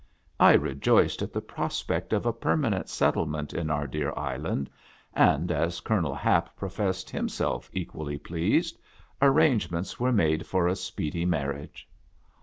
I rejoiced at the pros pect of a permanent settlement in our dear island, and, as Colonel Hap professed himself equally pleased, arrangements were made for a speedy marriage.